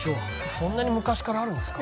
そんなに昔からあるんですか？